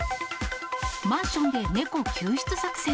マンションで猫救出作戦。